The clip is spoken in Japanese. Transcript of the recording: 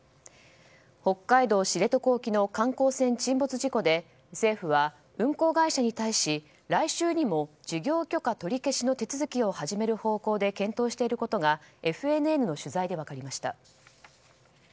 北海道知床沖の観光船沈没事故で政府は運航会社に対し来週にも事業許可取り消しの手続きを始める方向で検討していることがＦＮＮの取材で分かりました。